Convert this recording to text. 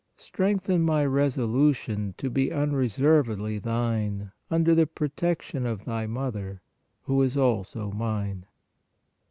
Strengthen my resolution to be unreservedly Thine under the protection of Thy Mother, who is also mine.